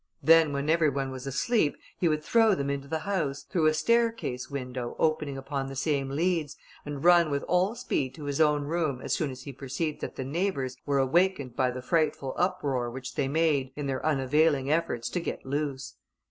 Then when every one was asleep, he would throw them into the house, through a staircase window opening upon the same leads, and run with all speed to his own room as soon as he perceived that the neighbours were awakened by the frightful uproar which they made in their unavailing efforts to get loose.